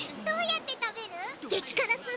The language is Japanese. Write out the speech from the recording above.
どうやってたべる？